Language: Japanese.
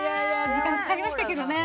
時間かかりましたけどね。